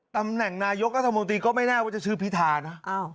ตำแหน่งนายกรัฐมนตรีก็ไม่แน่ว่าจะชื่อพิธานะ